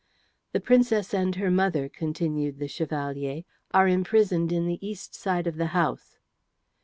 "The Princess and her mother," continued the Chevalier, "are imprisoned in the east side of the house."